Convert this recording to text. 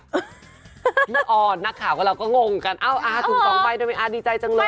พี่ออนนักข่าวของเราก็งงกันเอ้าอาถูก๒ใบทำไมอาดีใจจังเลย